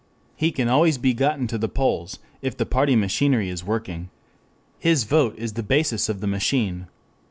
He can always be gotten to the polls, if the party machinery is working. His vote is the basis of the machine.